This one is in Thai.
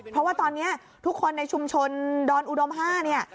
เพราะว่าตอนนี้ทุกคนในชุมชนดอนอุดม๕เนี่ย